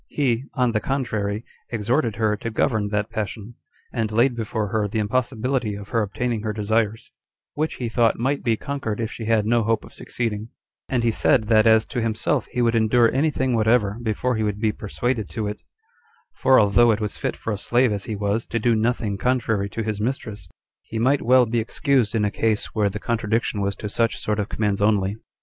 He, on the contrary, exhorted her to govern that passion; and laid before her the impossibility of her obtaining her desires, which he thought might be conquered, if she had no hope of succeeding; and he said, that as to himself, he would endure any thing whatever before he would be persuaded to it; for although it was fit for a slave, as he was, to do nothing contrary to his mistress, he might well be excused in a case where the contradiction was to such sort of commands only.